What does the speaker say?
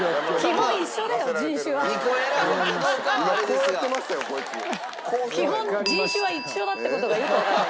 基本人種は一緒だって事がよくわかったね。